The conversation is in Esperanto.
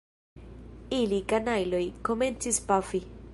Ili, kanajloj, komencis pafi!